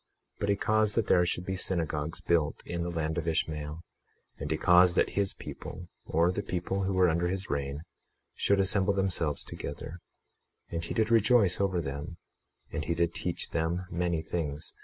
21:20 But he caused that there should be synagogues built in the land of Ishmael; and he caused that his people, or the people who were under his reign, should assemble themselves together. 21:21 And he did rejoice over them, and he did teach them many things.